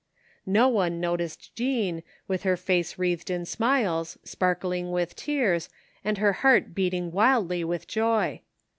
No one noticed Jean, with her face wreathed in smiles, sparkling with tears, and her heart beating wildly with joy.